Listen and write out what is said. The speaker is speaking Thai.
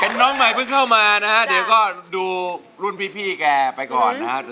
น้องใหม่เพิ่งเข้ามานะฮะเดี๋ยวก็ดูรุ่นพี่แกไปก่อนนะครับ